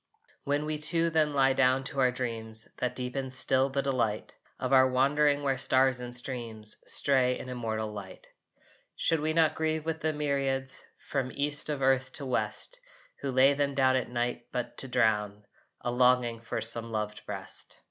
When we two then lie down to our dreams That deepen still the delight Of our wandering where stars and streams Stray in immortal light, Should we not grieve with the myriads From East of earth to West Who lay them down at night but to drown A longing for some loved breast?